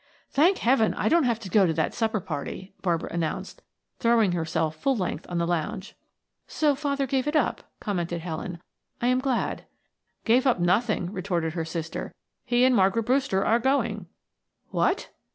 "Thank heaven, I don't have to go to that supper party," Barbara announced, throwing herself full length on the lounge. "So father gave it up," commented Helen. "I am glad." "Gave up nothing," retorted her sister. "He and Margaret Brewster are going." "What!"